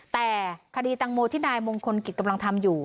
แต่คดีตังโมที่นายมงคลกิจกำลังทำอยู่